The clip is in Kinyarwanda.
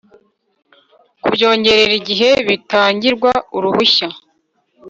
Kubyongerera igihe bitangirwa uruhushya